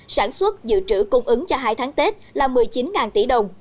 sản xuất dự trữ cung ứng cho hai tháng tết là một mươi chín tỷ đồng